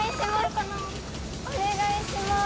お願いしまーす。